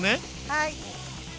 はい。